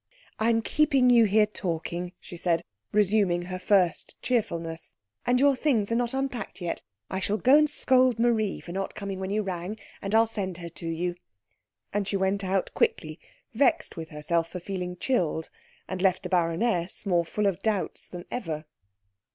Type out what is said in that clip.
"I am keeping you here talking," she said, resuming her first cheerfulness, "and your things are not unpacked yet. I shall go and scold Marie for not coming when you rang, and I'll send her to you." And she went out quickly, vexed with herself for feeling chilled, and left the baroness more full of doubts than ever.